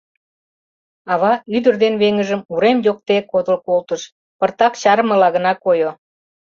Ава ӱдыр ден веҥыжым урем йокте кодыл колтыш, пыртак чарымыла гына койо.